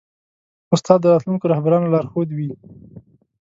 استاد د راتلونکو رهبرانو لارښود وي.